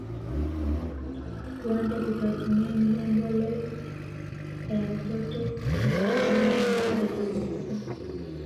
Huanza kutathimini embolet ya mtoto na kuamua jina lake jipya